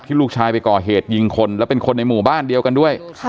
ลูกชายไปก่อเหตุยิงคนแล้วเป็นคนในหมู่บ้านเดียวกันด้วย